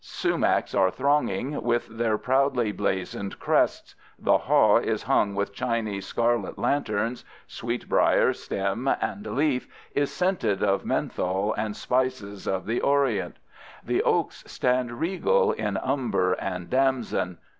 Sumacs are thronging, with their proudly blazoned crests; the haw is hung with Chinese scarlet lanterns; sweetbrier, stem and leaf, is scented of menthol and spices of the Orient. The oaks stand regal in umber and damson.